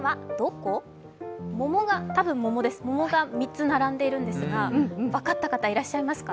桃が３つ並んでいるんですが、分かった方、いらっしゃいますか？